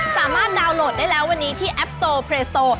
สามารถดาวน์โหลดได้แล้ววันนี้ที่แอปโสตอลเปรย์โสตอล